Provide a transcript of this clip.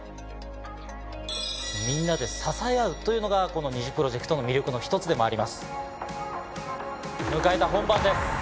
みんなで支え合うというのがこの『ＮｉｚｉＰｒｏｊｅｃｔ』の魅力の一つでもあります。